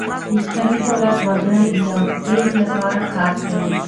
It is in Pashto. د اسلامي دولت وګړي د یوه ټیم له پاره کار کوي.